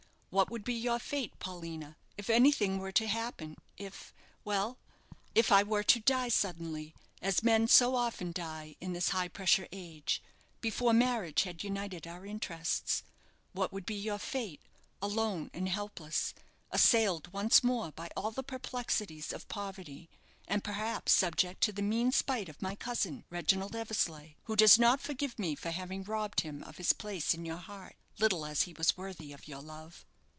What would be your fate, Paulina, if anything were to happen if well, if I were to die suddenly, as men so often die in this high pressure age, before marriage had united our interests? What would be your fate, alone and helpless, assailed once more by all the perplexities of poverty, and, perhaps, subject to the mean spite of my cousin, Reginald Eversleigh, who does not forgive me for having robbed him of his place in your heart, little as he was worthy of your love?"